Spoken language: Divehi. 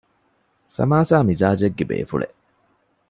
ސަމާސާ މިޒާޖެއްގެ ބޭފުޅެއް